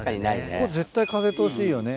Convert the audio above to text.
ここ絶対風通しいいよね。